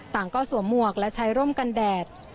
ต่างก้อสวมวกและชัยร่มกันแดด